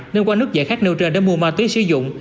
nên qua nước giải khác nêu trên để mua ma túy sử dụng